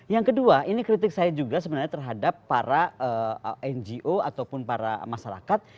yang kedua ini kritik saya juga sebenarnya terhadap para ngo ataupun para masyarakat